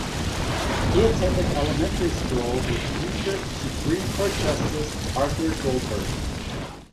He attended elementary school with future Supreme Court Justice Arthur Goldberg.